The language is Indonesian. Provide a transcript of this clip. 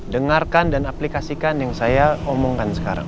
dengarkan dan aplikasikan yang saya omongkan sekarang